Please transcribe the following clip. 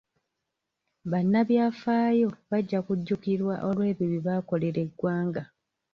Bannabyafaayo bajja kujjukirwa olw'ebyo bye baakolera eggwanga.